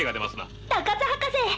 高津博士！